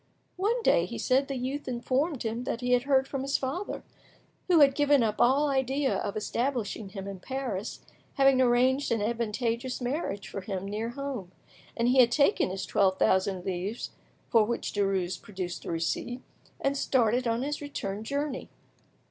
One day, he said, the youth informed him that he had heard from his father, who had given up all idea of establishing him in Paris, having arranged an advantageous marriage for him near home; and he had taken his twelve thousand livres, for which Derues produced a receipt, and started on his return journey.